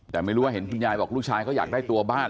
แต่ไม่รู้ว่าคุณยายว่าคุณลูกชายก็อยากได้ตัวบ้าน